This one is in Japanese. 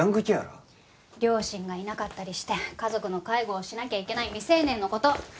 両親がいなかったりして家族の介護をしなきゃいけない未成年の事。